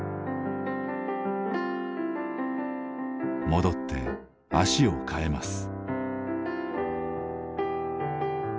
戻って脚を替えます。